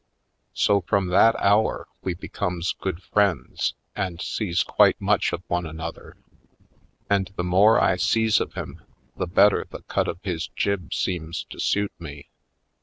So from that hour we becomes good friends and sees quite much of one another. And the more I sees of him the better the cut of his jib seems to suit me.